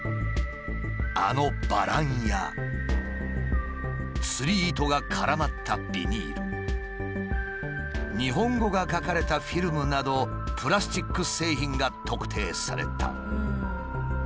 あのバランや釣り糸が絡まったビニール日本語が書かれたフィルムなどプラスチック製品が特定された。